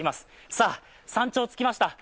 さあ、山頂着きました